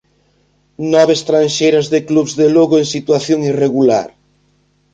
Nove estranxeiras de clubs de Lugo, en situación irregular